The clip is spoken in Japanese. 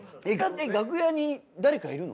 楽屋に誰かいるの？